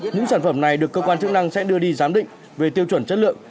những sản phẩm này được cơ quan chức năng sẽ đưa đi giám định về tiêu chuẩn chất lượng